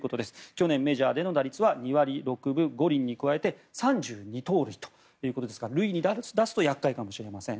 去年メジャーでの打率は２割６分５厘に加えて３２盗塁ということですから塁に出すと厄介かもしれません。